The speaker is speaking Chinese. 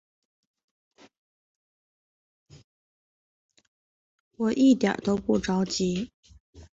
我一点都不着急